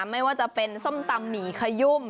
ไม่ว่าจะเป็นส้มตำหมี่ขยุ่ม